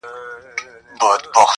په حضور كي ورته جمع درباريان سول.!